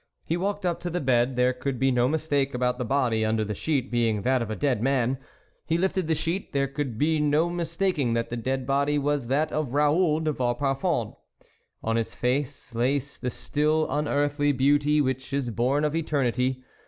He walked up to the bed, there could be no mistake about the body under the sheet being that of a dead man ; he lifted the sheet, there could be no mistaking that the dead body was that of Raoul de Vauparfond. On his face lay the still, unearthly beauty which is born of eternity.